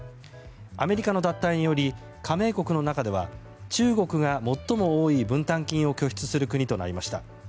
アメリカの脱退により加盟国の中では中国が最も多い分担金を拠出する国となりました。